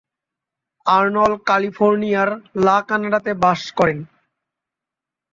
Arnold ক্যালিফোর্নিয়ার লা কানাডাতে বাস করেন।